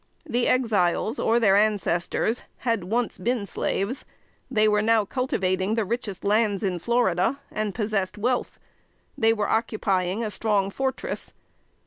The Exiles, or their ancestors, had once been slaves. They now were cultivating the richest lands in Florida, and possessed wealth; they were occupying a strong fortress.